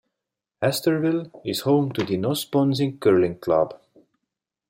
Astorville is home to the Nosbonsing Curling Club.